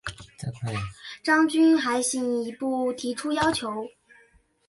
张军还进一步提出要求